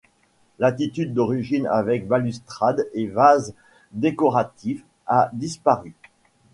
L'attique d'origine avec balustrade et vases décoratifs a disparu.